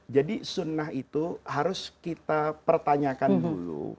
jadi sunnah itu harus kita pertanyakan dulu